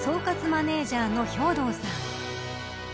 マネジャーの兵藤さん。